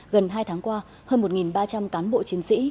gần hai tháng qua hơn một ba trăm linh cán bộ chiến sĩ